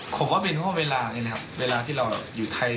ผมว่าเป็นเพราะว่าเวลานี้นะครับเวลาที่เราอยู่ไทย